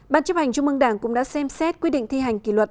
ban chấp hành trung mương đảng cũng đã xem xét quyết định thi hành kỷ luật